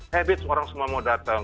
habit orang semua mau datang